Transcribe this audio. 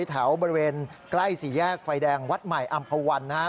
แถวบริเวณใกล้สี่แยกไฟแดงวัดใหม่อำภาวันนะครับ